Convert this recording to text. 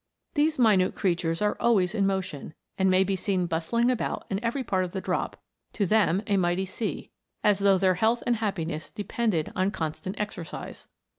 These minute creatures are always in motion, and may be seen bustling about in every part of the drop to them a mighty sea as though their health and happiness depended on constant exercise.